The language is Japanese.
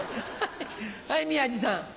はい宮治さん。